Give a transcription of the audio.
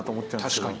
確かに。